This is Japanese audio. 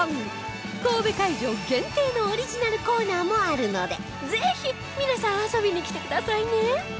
神戸会場限定のオリジナルコーナーもあるのでぜひ皆さん遊びに来てくださいね！